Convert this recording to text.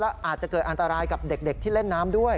อาจจะเกิดอันตรายกับเด็กที่เล่นน้ำด้วย